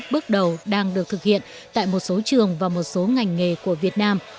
bước đầu đang được thực hiện tại một số trường và một số ngành nghề của việt nam